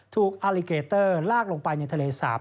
อาลิเกเตอร์ลากลงไปในทะเลสาป